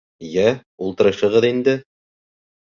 Йә, ултырышығыҙ инде.